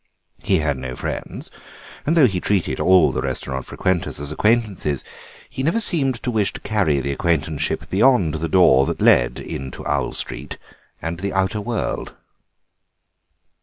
He had no friends, and though he treated all the restaurant frequenters as acquaintances he never seemed to wish to carry the acquaintanceship beyond the door that led into Owl Street and the outer world.